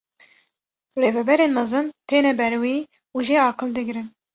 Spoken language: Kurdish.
Rêveberên mezin têne ber wî û jê aqil digirin.